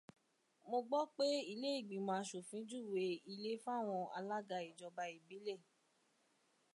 Mo gbọ pé ilé ìgbìmọ̀ aṣòfin júwe ilé fáwọn alága ìjọba ìbílẹ̀